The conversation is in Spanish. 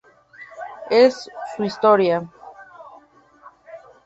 Es su historia.